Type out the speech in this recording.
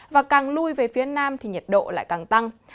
và càng lui về phía nam thì nhiệt độ lại càng tăng